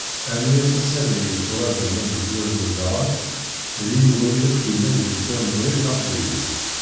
Rnu-as asalay i yetturaǧun ad yettwabnu daɣen din i wayen akk yellan d tinḍi taqbaylit.